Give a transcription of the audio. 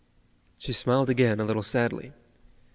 She smiled again a little sadly.